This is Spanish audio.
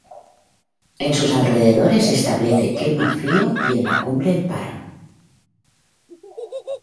En sus alrededores se establece clima frío y en la cumbre el páramo.